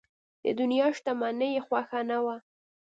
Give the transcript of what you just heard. د دنیا شتمني یې خوښه نه وه.